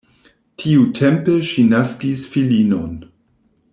Tiutempe ŝi naskis filinon.